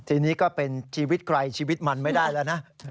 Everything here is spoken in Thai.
ทีนี้ก็เป็นชีวิตใครชีวิตมันไม่ได้แล้วนะ